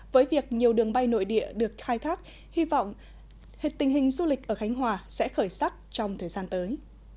với việc nhiều đường bay nội địa được khai thác hy vọng hệ tình hình du lịch ở khánh hòa sẽ khởi sắc trong thời gian tới